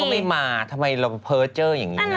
ก็ไม่มาทำไมเราจะเผลอเจ้ออย่างนี้น่ะ